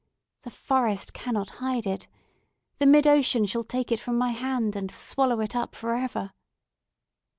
The forest cannot hide it! The mid ocean shall take it from my hand, and swallow it up for ever!"